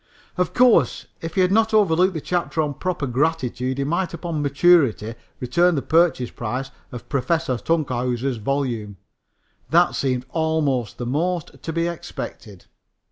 Of course, if he had not overlooked the chapter on proper gratitude he might upon maturity return the purchase price of Professor Tunkhouser's volume. That seemed almost the most to be expected.